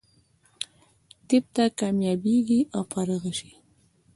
طب ته کامیابېږي او فارغه شي.